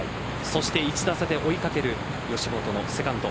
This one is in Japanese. そして１打差で追いかける吉本のセカンド。